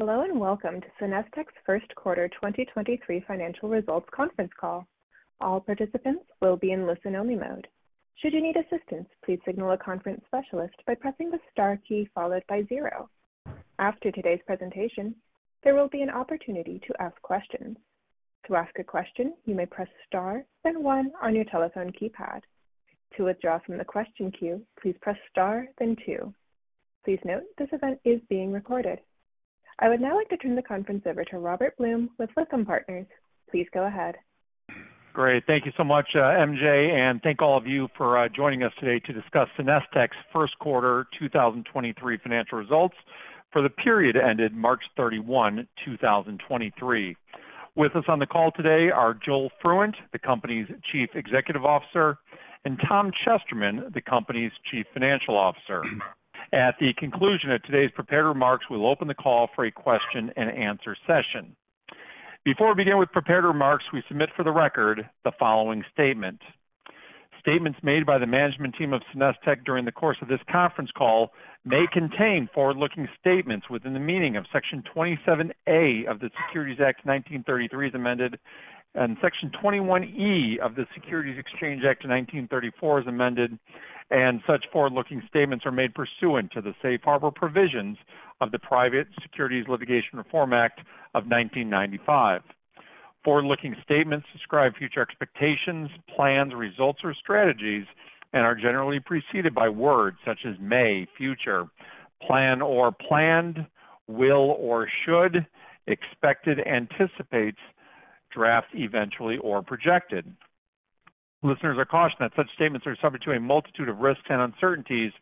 Hello, welcome to SenesTech's First Quarter 2023 Financial Results Conference Call. All participants will be in listen-only mode. Should you need assistance, please signal a conference specialist by pressing the star key followed by zero. After today's presentation, there will be an opportunity to ask questions. To ask a question, you may press star, then one on your telephone keypad. To withdraw from the question queue, please press star, then two. Please note this event is being recorded. I would now like to turn the conference over to Robert Blum with Lytham Partners. Please go ahead. Great. Thank you so much, MJ. Thank all of you for joining us today to discuss SenesTech's first quarter 2023 financial results for the period ended March 31, 2023. With us on the call today are Joel Fruendt, the company's Chief Executive Officer, and Tom Chesterman, the company's Chief Financial Officer. At the conclusion of today's prepared remarks, we'll open the call for a question and answer session. Before we begin with prepared remarks, we submit for the record the following statement. Statements made by the management team of SenesTech during the course of this conference call may contain forward-looking statements within the meaning of Section 27A of the Securities Act of 1933 as amended and Section 21E of the Securities Exchange Act of 1934 as amended. Such forward-looking statements are made pursuant to the Safe Harbor Provisions of the Private Securities Litigation Reform Act of 1995. Forward-looking statements describe future expectations, plans, results, or strategies and are generally preceded by words such as may, future, plan or planned, will or should, expected, anticipates, draft, eventually, or projected. Listeners are cautioned that such statements are subject to a multitude of risks and uncertainties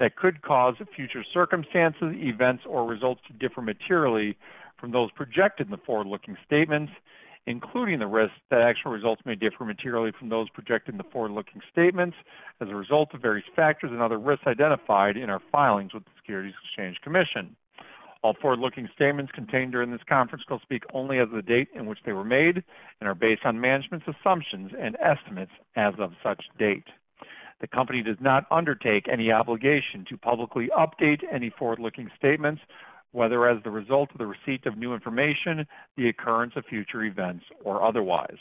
that could cause future circumstances, events, or results to differ materially from those projected in the forward-looking statements, including the risk that actual results may differ materially from those projected in the forward-looking statements as a result of various factors and other risks identified in our filings with the Securities and Exchange Commission. All forward-looking statements contained during this conference call speak only as of the date in which they were made and are based on management's assumptions and estimates as of such date. The company does not undertake any obligation to publicly update any forward-looking statements, whether as the result of the receipt of new information, the occurrence of future events, or otherwise.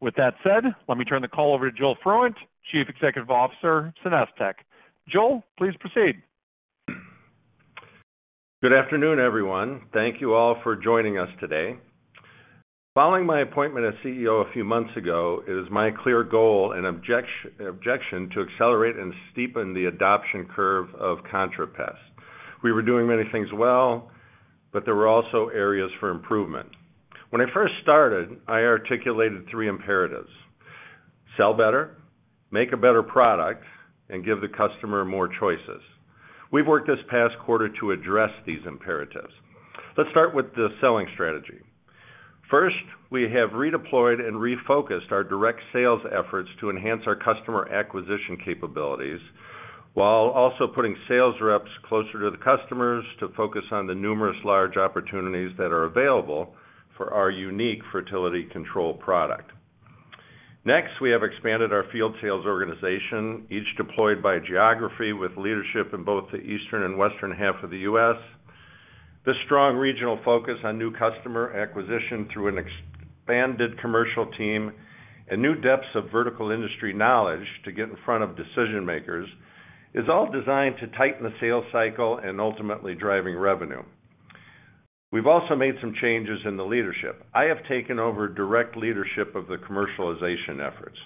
With that said, let me turn the call over to Joel Fruendt, Chief Executive Officer, SenesTech. Joel, please proceed. Good afternoon, everyone. Thank you all for joining us today. Following my appointment as CEO a few months ago, it is my clear goal and objection to accelerate and steepen the adoption curve of ContraPest. We were doing many things well, but there were also areas for improvement. When I first started, I articulated three imperatives: sell better, make a better product, and give the customer more choices. We've worked this past quarter to address these imperatives. Let's start with the selling strategy. First, we have redeployed and refocused our direct sales efforts to enhance our customer acquisition capabilities while also putting sales reps closer to the customers to focus on the numerous large opportunities that are available for our unique fertility control product. Next, we have expanded our field sales organization, each deployed by geography with leadership in both the eastern and western half of the U.S. This strong regional focus on new customer acquisition through an expanded commercial team and new depths of vertical industry knowledge to get in front of decision-makers is all designed to tighten the sales cycle and ultimately driving revenue. We've also made some changes in the leadership. I have taken over direct leadership of the commercialization efforts.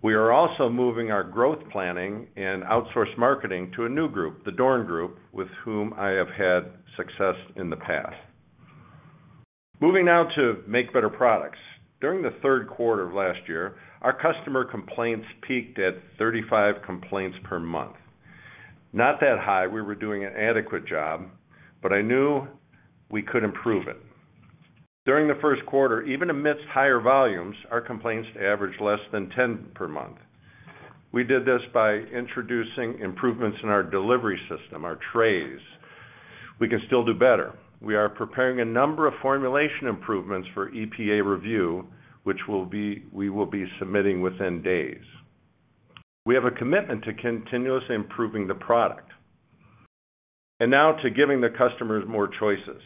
We are also moving our growth planning and outsourced marketing to a new group, the Dorn Group, with whom I have had success in the past. Moving now to make better products. During the third quarter of last year, our customer complaints peaked at 35 complaints per month. Not that high. I knew we could improve it. During the first quarter, even amidst higher volumes, our complaints averaged less than 10 per month. We did this by introducing improvements in our delivery system, our trays. We can still do better. We are preparing a number of formulation improvements for EPA review, we will be submitting within days. We have a commitment to continuously improving the product. Now to giving the customers more choices.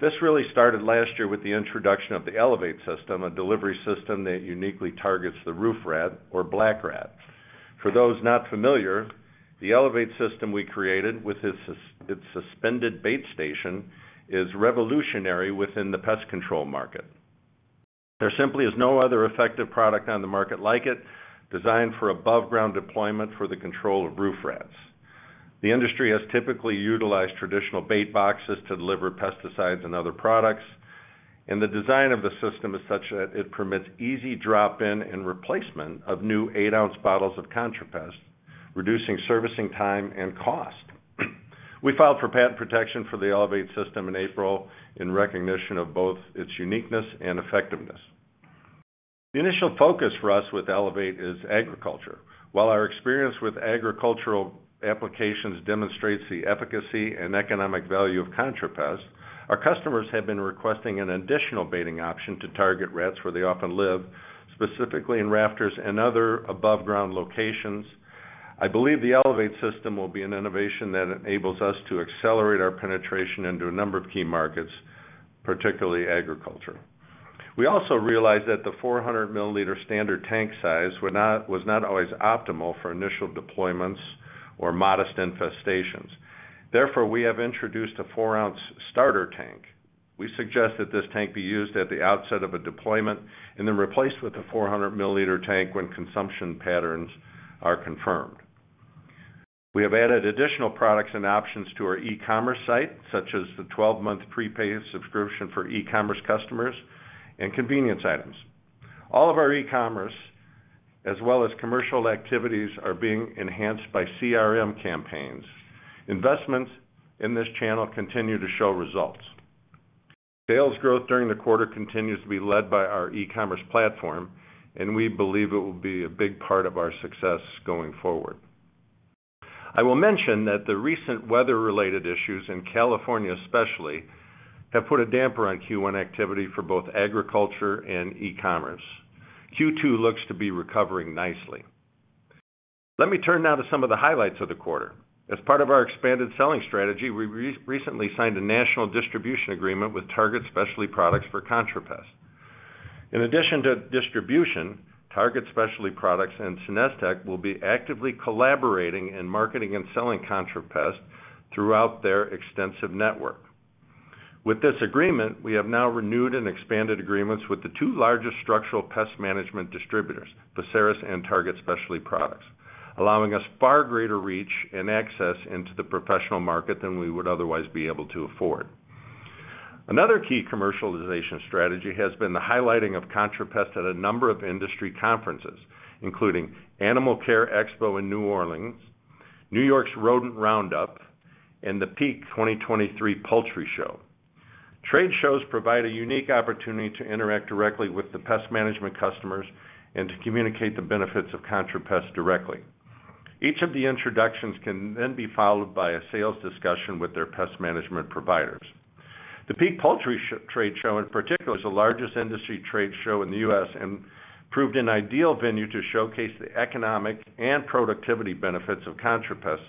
This really started last year with the introduction of the Elevate Bait System, a delivery system that uniquely targets the roof rat or black rat. For those not familiar, the Elevate Bait System we created with its suspended bait station is revolutionary within the pest control market. There simply is no other effective product on the market like it, designed for above ground deployment for the control of roof rats. The industry has typically utilized traditional bait boxes to deliver pesticides and other products, and the design of the system is such that it permits easy drop-in and replacement of new 8-ounce bottles of ContraPest, reducing servicing time and cost. We filed for patent protection for the Elevate system in April in recognition of both its uniqueness and effectiveness. The initial focus for us with Elevate is agriculture. While our experience with agricultural applications demonstrates the efficacy and economic value of ContraPest, our customers have been requesting an additional baiting option to target rats where they often live, specifically in rafters and other above-ground locations. I believe the Elevate system will be an innovation that enables us to accelerate our penetration into a number of key markets, particularly agriculture. We also realize that the 400 milliliter standard tank size was not always optimal for initial deployments or modest infestations. Therefore, we have introduced a 4-ounce starter tank. We suggest that this tank be used at the outset of a deployment and then replaced with a 400 milliliter tank when consumption patterns are confirmed. We have added additional products and options to our e-commerce site, such as the 12-month prepaid subscription for e-commerce customers and convenience items. All of our e-commerce as well as commercial activities are being enhanced by CRM campaigns. Investments in this channel continue to show results. Sales growth during the quarter continues to be led by our e-commerce platform, and we believe it will be a big part of our success going forward. I will mention that the recent weather-related issues in California especially have put a damper on Q1 activity for both agriculture and e-commerce. Q2 looks to be recovering nicely. Let me turn now to some of the highlights of the quarter. As part of our expanded selling strategy, we recently signed a national distribution agreement with Target Specialty Products for ContraPest. In addition to distribution, Target Specialty Products and SenesTech will be actively collaborating in marketing and selling ContraPest throughout their extensive network. With this agreement, we have now renewed and expanded agreements with the two largest structural pest management distributors, Veseris and Target Specialty Products, allowing us far greater reach and access into the professional market than we would otherwise be able to afford. Another key commercialization strategy has been the highlighting of ContraPest at a number of industry conferences, including Animal Care Expo in New Orleans, New York's Rodent Roundup, and the PEAK 2023 Poultry Show. Trade shows provide a unique opportunity to interact directly with the pest management customers and to communicate the benefits of ContraPest directly. Each of the introductions can then be followed by a sales discussion with their pest management providers. The PEAK Poultry Trade Show in particular is the largest industry trade show in the U.S. and proved an ideal venue to showcase the economic and productivity benefits of ContraPest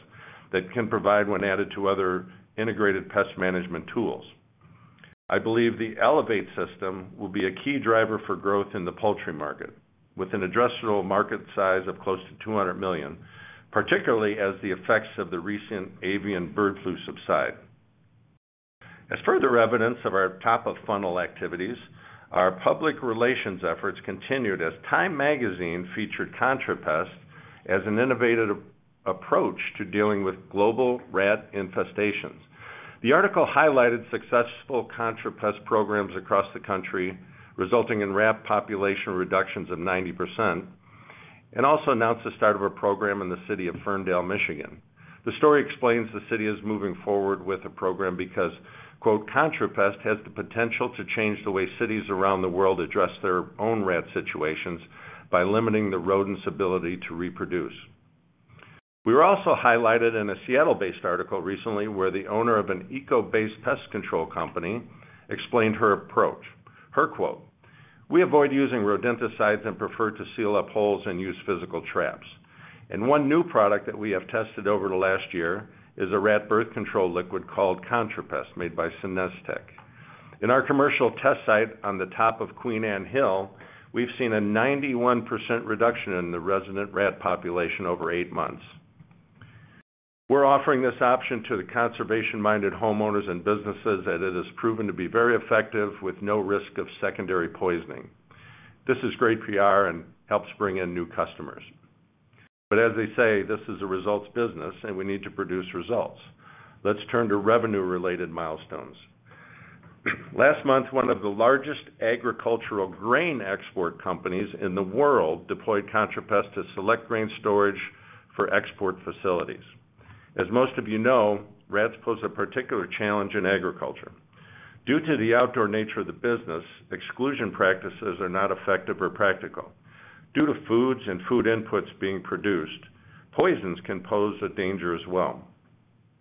that can provide when added to other integrated pest management tools. I believe the Elevate system will be a key driver for growth in the poultry market with an addressable market size of close to $200 million, particularly as the effects of the recent avian bird flu subside. As further evidence of our top-of-funnel activities, our public relations efforts continued as TIME Magazine featured ContraPest as an innovative approach to dealing with global rat infestations. The article highlighted successful ContraPest programs across the country, resulting in rat population reductions of 90%, and also announced the start of a program in the city of Ferndale, Michigan. The story explains the city is moving forward with a program because, quote, "ContraPest has the potential to change the way cities around the world address their own rat situations by limiting the rodent's ability to reproduce." We were also highlighted in a Seattle-based article recently where the owner of an eco-based pest control company explained her approach. Her quote, "We avoid using rodenticides and prefer to seal up holes and use physical traps. One new product that we have tested over the last year is a rat birth control liquid called ContraPest made by SenesTech. In our commercial test site on the top of Queen Anne Hill, we've seen a 91% reduction in the resident rat population over eight months. We're offering this option to the conservation-minded homeowners and businesses that it has proven to be very effective with no risk of secondary poisoning. This is great PR and helps bring in new customers. As they say, this is a results business and we need to produce results. Let's turn to revenue-related milestones. Last month, one of the largest agricultural grain export companies in the world deployed ContraPest to select grain storage for export facilities. As most of you know, rats pose a particular challenge in agriculture. Due to the outdoor nature of the business, exclusion practices are not effective or practical. Due to foods and food inputs being produced, poisons can pose a danger as well.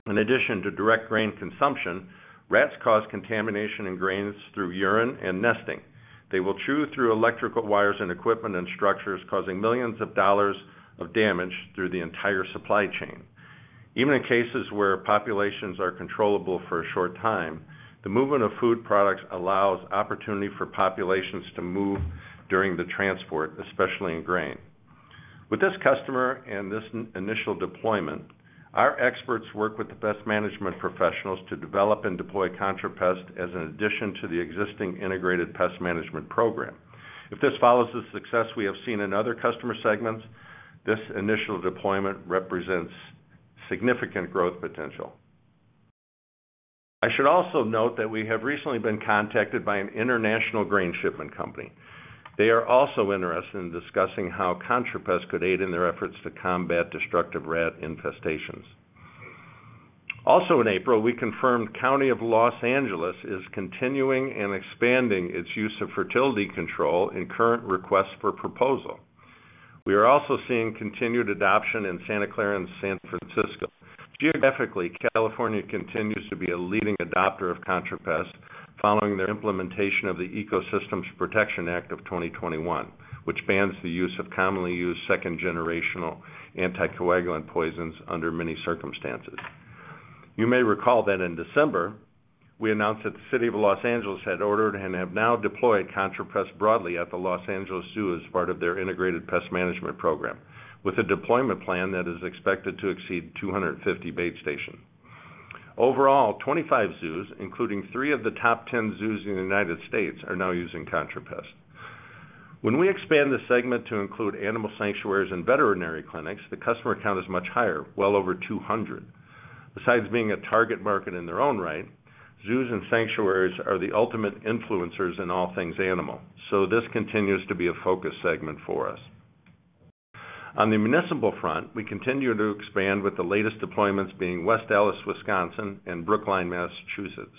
In addition to direct grain consumption, rats cause contamination in grains through urine and nesting. They will chew through electrical wires and equipment and structures, causing millions of dollars of damage through the entire supply chain. Even in cases where populations are controllable for a short time, the movement of food products allows opportunity for populations to move during the transport, especially in grain. With this customer and this initial deployment, our experts work with the pest management professionals to develop and deploy ContraPest as an addition to the existing integrated pest management program. If this follows the success we have seen in other customer segments, this initial deployment represents significant growth potential. I should also note that we have recently been contacted by an international grain shipment company. They are also interested in discussing how ContraPest could aid in their efforts to combat destructive rat infestations. Also in April, we confirmed County of Los Angeles is continuing and expanding its use of fertility control in current requests for proposal. We are also seeing continued adoption in Santa Clara and San Francisco. Geographically, California continues to be a leading adopter of ContraPest following their implementation of the Ecosystems Protection Act of 2021, which bans the use of commonly used second-generation anticoagulant poisons under many circumstances. You may recall that in December, we announced that the City of Los Angeles had ordered and have now deployed ContraPest broadly at the Los Angeles Zoo as part of their integrated pest management program, with a deployment plan that is expected to exceed 250 bait stations. Overall, 25 zoos, including three of the top 10 zoos in the U.S., are now using ContraPest. When we expand the segment to include animal sanctuaries and veterinary clinics, the customer count is much higher, well over 200. Besides being a target market in their own right, zoos and sanctuaries are the ultimate influencers in all things animal, so this continues to be a focus segment for us. On the municipal front, we continue to expand with the latest deployments being West Allis, Wisconsin, and Brookline, Massachusetts.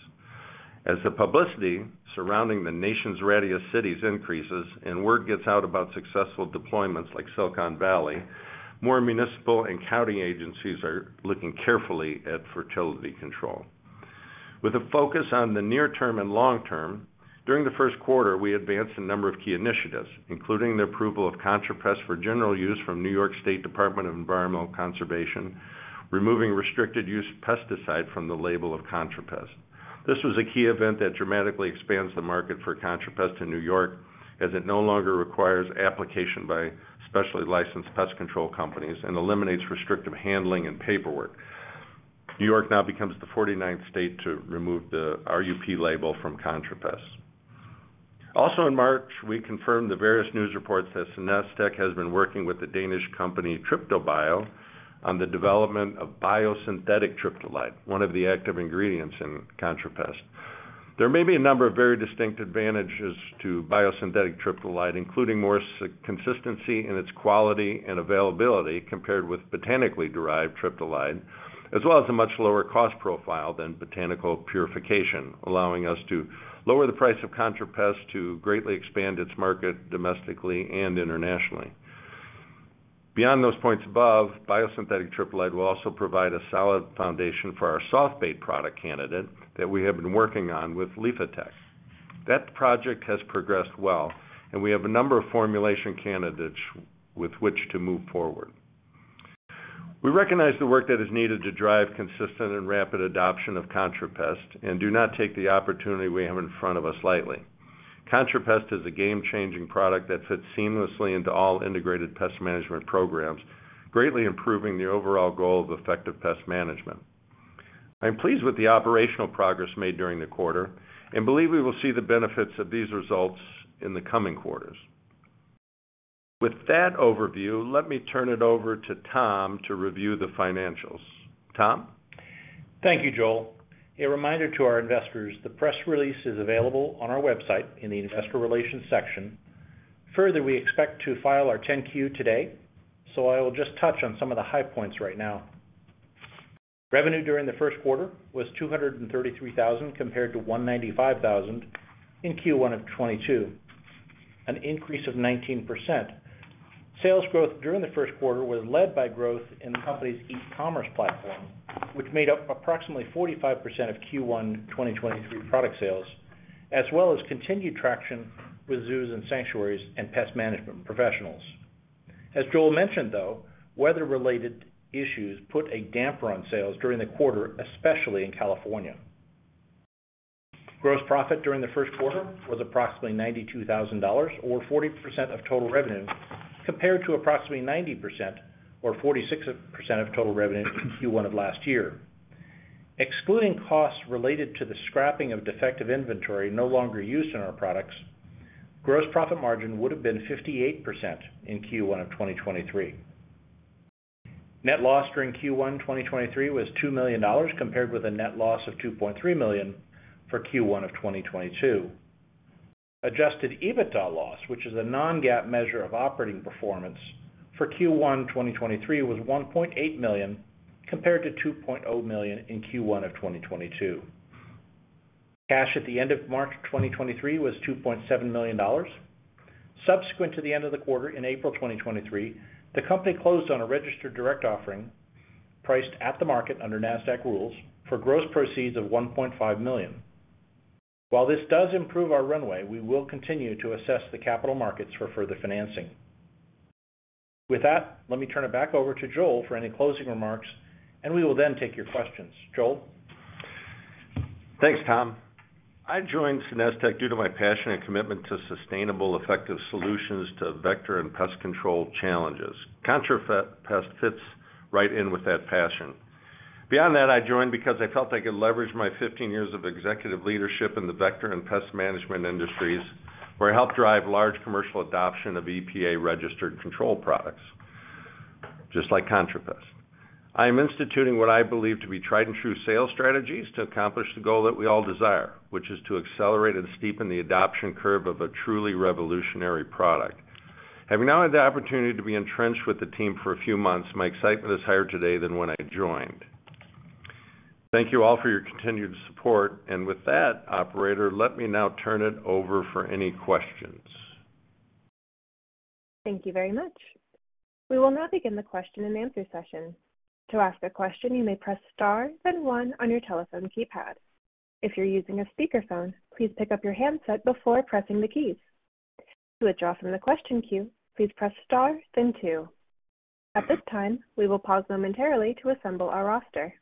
As the publicity surrounding the nation's readiest cities increases and word gets out about successful deployments like Silicon Valley, more municipal and county agencies are looking carefully at fertility control. With a focus on the near term and long term, during the first quarter, we advanced a number of key initiatives, including the approval of ContraPest for general use from New York State Department of Environmental Conservation, removing restricted use pesticide from the label of ContraPest. This was a key event that dramatically expands the market for ContraPest in New York, as it no longer requires application by specially licensed pest control companies and eliminates restrictive handling and paperwork. New York now becomes the 49th state to remove the RUP label from ContraPest. In March, we confirmed the various news reports that SenesTech has been working with the Danish company TriptoBio on the development of biosynthetic triptolide, one of the active ingredients in ContraPest. There may be a number of very distinct advantages to biosynthetic triptolide, including more consistency in its quality and availability compared with botanically derived triptolide, as well as a much lower cost profile than botanical purification, allowing us to lower the price of ContraPest to greatly expand its market domestically and internationally. Beyond those points above, biosynthetic triptolide will also provide a solid foundation for our soft bait product candidate that we have been working on with Liphatech. That project has progressed well and we have a number of formulation candidates with which to move forward. We recognize the work that is needed to drive consistent and rapid adoption of ContraPest and do not take the opportunity we have in front of us lightly. ContraPest is a game-changing product that fits seamlessly into all integrated pest management programs, greatly improving the overall goal of effective pest management. I am pleased with the operational progress made during the quarter and believe we will see the benefits of these results in the coming quarters. With that overview, let me turn it over to Tom to review the financials. Tom? Thank you, Joel. A reminder to our investors, the press release is available on our website in the investor relations section. We expect to file our Form 10-Q today. I will just touch on some of the high points right now. Revenue during the first quarter was $233,000 compared to $195,000 in Q1 of 2022, an increase of 19%. Sales growth during the first quarter was led by growth in the company's e-commerce platform, which made up approximately 45% of Q1 2023 product sales, as well as continued traction with zoos and sanctuaries and pest management professionals. As Joel mentioned, though, weather-related issues put a damper on sales during the quarter, especially in California. Gross profit during the first quarter was approximately $92,000, or 40% of total revenue, compared to approximately 90%, or 46% of total revenue in Q1 of last year. Excluding costs related to the scrapping of defective inventory no longer used in our products, gross profit margin would have been 58% in Q1 of 2023. Net loss during Q1 2023 was $2 million, compared with a net loss of $2.3 million for Q1 of 2022. Adjusted EBITDA loss, which is a non-GAAP measure of operating performance for Q1 2023, was $1.8 million, compared to $2.0 million in Q1 of 2022. Cash at the end of March 2023 was $2.7 million. Subsequent to the end of the quarter in April 2023, the company closed on a registered direct offering priced at the market under Nasdaq rules for gross proceeds of $1.5 million. While this does improve our runway, we will continue to assess the capital markets for further financing. With that, let me turn it back over to Joel for any closing remarks, and we will then take your questions. Joel? Thanks, Tom. I joined SenesTech due to my passion and commitment to sustainable, effective solutions to vector and pest control challenges. ContraPest fits right in with that passion. Beyond that, I joined because I felt I could leverage my 15 years of executive leadership in the vector and pest management industries, where I helped drive large commercial adoption of EPA-registered control products, just like ContraPest. I am instituting what I believe to be tried and true sales strategies to accomplish the goal that we all desire, which is to accelerate and steepen the adoption curve of a truly revolutionary product. Having now had the opportunity to be entrenched with the team for a few months, my excitement is higher today than when I joined. Thank you all for your continued support. With that, operator, let me now turn it over for any questions. Thank you very much. We will now begin the question and answer session. To ask a question, you may press star then one on your telephone keypad. If you're using a speakerphone, please pick up your handset before pressing the keys. To withdraw from the question queue, please press Star then two. At this time, we will pause momentarily to assemble our roster.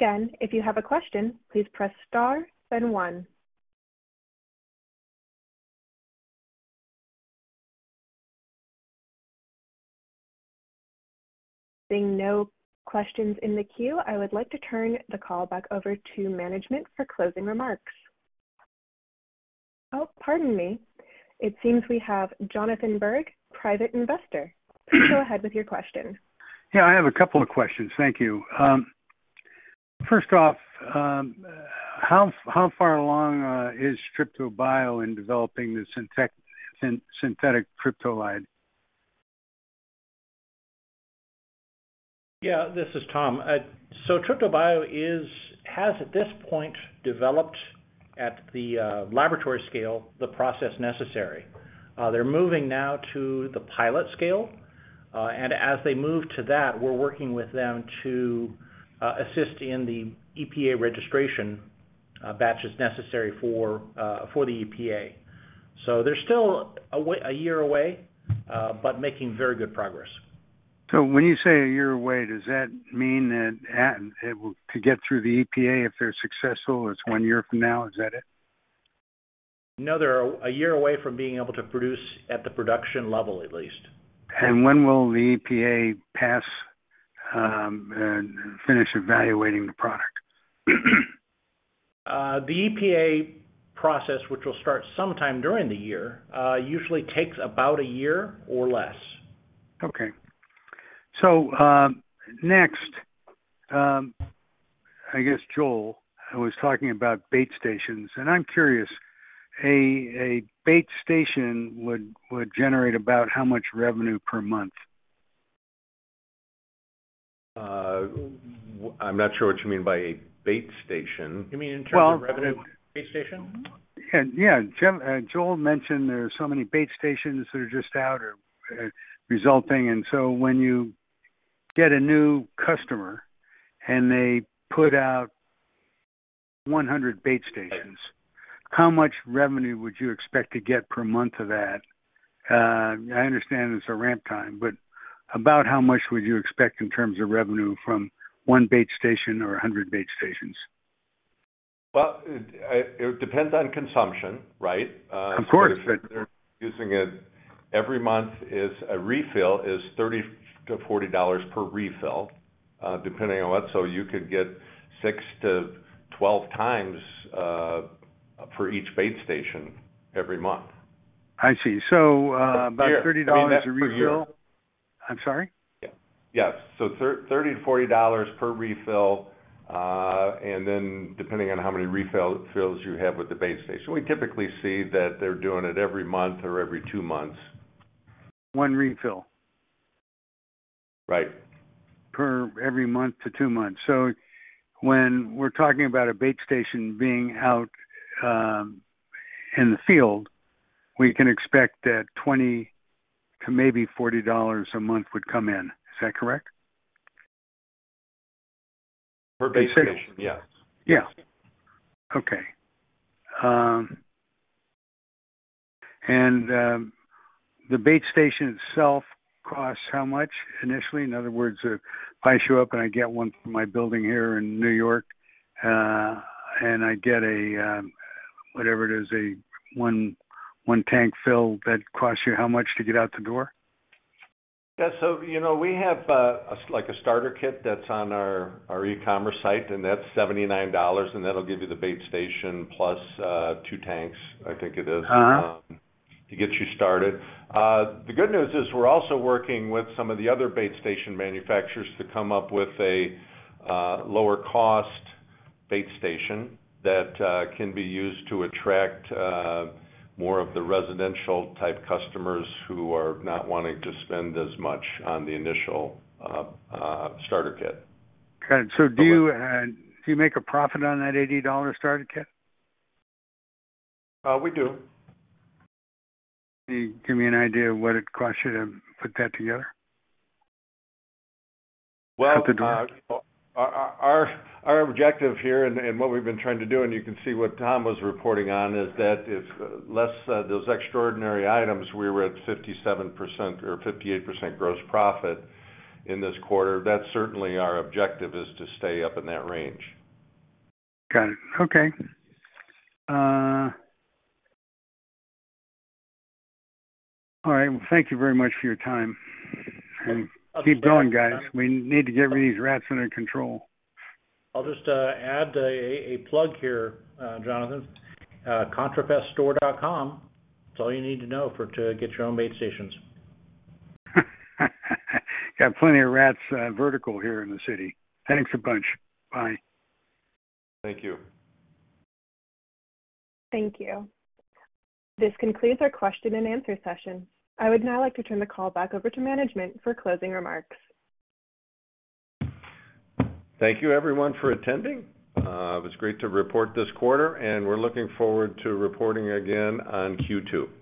Again, if you have a question, please press Star then one. Seeing no questions in the queue, I would like to turn the call back over to management for closing remarks. Oh, pardon me. It seems we have Jonathan Berg, private investor. Please go ahead with your question. Yeah, I have a couple of questions. Thank you. First off, how far along is TriptoBIO in developing the synthetic triptolide? Yeah, this is Tom. TriptoBIO has, at this point, developed the process necessary for laboratory-scale development. They're moving now to the pilot scale. As they move to that, we're working with them to assist in the EPA registration batches necessary for the EPA. They're still a year away, but making very good progress. When you say a year away, does that mean that, could get through the EPA if they're successful, it's one year from now, is that it? No, they're a year away from being able to produce at the production level, at least. When will the EPA pass and finish evaluating the product? The EPA process, which will start sometime during the year, usually takes about a year or less. Okay. Next, I guess Joel was talking about bait stations, and I'm curious, a bait station would generate about how much revenue per month? I'm not sure what you mean by a bait station? You mean in terms of revenue for a bait station? Yeah. Joel mentioned there are so many bait stations that are just out or, resulting. When you get a new customer and they put out 100 bait stations, how much revenue would you expect to get per month of that? I understand it's a ramp time, but about how much would you expect in terms of revenue from one bait station or 100 bait stations? Well, it would depend on consumption, right? Of course. If they're using it every month is a refill is $30-$40 per refill, depending on what. You could get 6 to 12 times, for each bait station every month. I see. About $30 a refill. I'm sorry? Yes. $30-$40 per refill, depending on how many refills you have with the bait station. We typically see that they're doing it every month or every 2 months. One refill? Right. Per every month to two months. When we're talking about a bait station being out, in the field, we can expect that $20 to maybe $40 a month would come in. Is that correct? Per bait station, yes. Yeah. Okay. The bait station itself costs how much initially? In other words, if I show up and I get one for my building here in New York, and I get a, whatever it is, a one tank fill, that costs you how much to get out the door? Yeah. You know, we have, like a starter kit that's on our e-commerce site, that's $79, that'll give you the bait station plus, 2 tanks, I think it is. Uh-huh. Um, to get you started. the good news is we're also working with some of the other bait station manufacturers to come up with a, uh, lower cost bait station that, uh, can be used to attract, uh, more of the residential type customers who are not wanting to spend as much on the initial, uh, uh, starter kit. Got it. Do you make a profit on that $80 starter kit? We do. Can you give me an idea of what it costs you to put that together? Our objective here and what we've been trying to do, and you can see what Tom was reporting on, is that if less those extraordinary items, we were at 57% or 58% gross profit in this quarter. That's certainly our objective, is to stay up in that range. Got it. Okay. All right, well, thank you very much for your time. Keep going, guys. We need to get these rats under control. I'll just add a plug here, Jonathan. contrapeststore.com is all you need to know to get your own bait stations. Got plenty of rats, vertical here in the city. Thanks a bunch. Bye. Thank you. Thank you. This concludes our question and answer session. I would now like to turn the call back over to management for closing remarks. Thank you, everyone, for attending. It was great to report this quarter. We're looking forward to reporting again on Q2. Thank you.